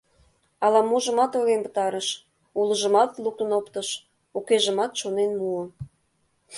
Ала-можымат ойлен пытарыш: улыжымат луктын оптыш, укежымат шонен муо.